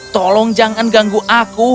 tolong jangan ganggu aku